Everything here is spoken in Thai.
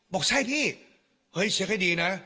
บอกใช่พี่เฮ้ยเช็คให้ดีนะ